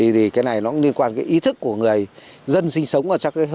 thì cái này nó liên quan cái ý thức của người dân sinh sống